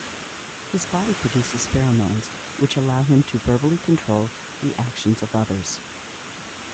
His body produces pheromones which allow him to verbally control the actions of others.